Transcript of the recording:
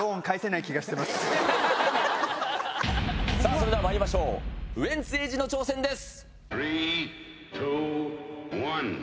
それではまいりましょうウエンツ瑛士の挑戦です。